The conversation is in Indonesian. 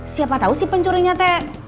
siapa tahu si pencurinya teh